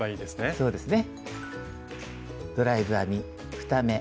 そうですね。